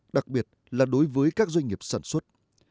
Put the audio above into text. đặc biệt là đối với các doanh nghiệp sản xuất